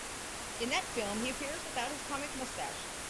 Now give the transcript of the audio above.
In that film he appears without his comic moustache.